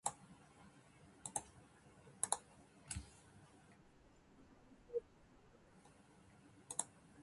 不動産収入が欲しい。